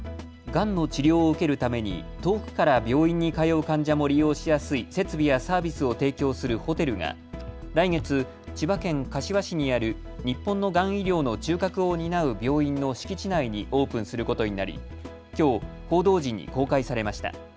がんの治療を受けるために遠くから病院に通う患者も利用しやすい設備やサービスを提供するホテルが来月、千葉県柏市にある日本のがん医療の中核を担う病院の敷地内にオープンすることになりきょう報道陣に公開されました。